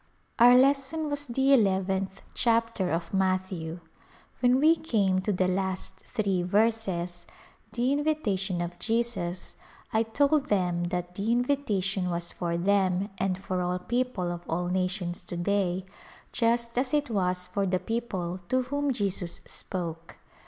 Our lesson was the eleventh chapter of Matthew. When we came to the last three verses — the invita tion of Jesus — I told them that the invitation was for them and for all people of all nations to day just as it was for the people to whom Jesus spoke.